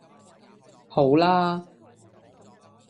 好啦